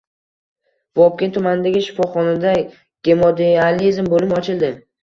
Vobkent tumanidagi shifoxonada gemodializ bo‘limi ochildi